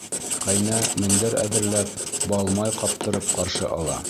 Ҡәйнә мендәр әҙерләп, бал-май ҡаптырып ҡаршы ала.